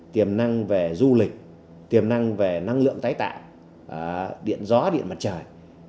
tiềm năng về du lịch tiềm năng về năng lượng tái tạo điện gió điện mặt trời